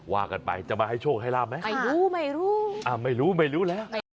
อ๋อว่ากันไปจะมาให้โชคให้ราบไหมไม่รู้ไม่รู้ไม่รู้ไม่รู้แล้ว